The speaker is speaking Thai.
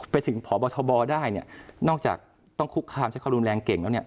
ไปถึงพบทบได้เนี่ยนอกจากต้องคุกคามใช้ความรุนแรงเก่งแล้วเนี่ย